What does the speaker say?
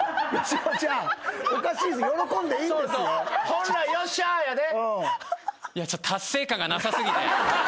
本来「よっしゃ」やで。